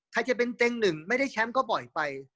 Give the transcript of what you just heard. ใครจะเป็นเต็งหนึ่งไม่ได้แชมป์ก็บ่อยไป